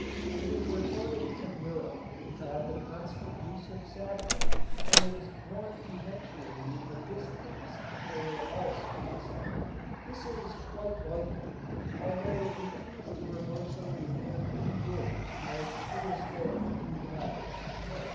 It is reported from Europe that the constant use of saccharin gives one eventually a distaste for all sweets. This is quite likely, although it means the reversal within a few years of prehistoric food habits.